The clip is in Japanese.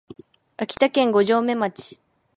秋田県五城目町